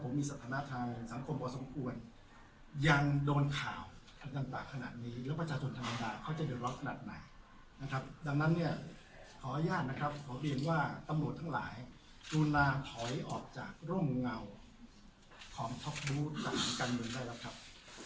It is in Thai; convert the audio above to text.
ขออนุญาตขออนุญาตทั้งหมดทั้งหลายจูลลาถอยออกจากร่วมเงาของท็อกบูส์จากกันเงินได้แล้วครับ